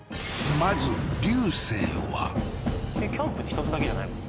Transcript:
まず流星はキャンプって１つだけじゃないの？